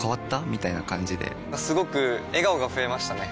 みたいな感じですごく笑顔が増えましたね！